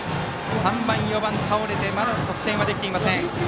３番、４番倒れてまだ得点はできていません。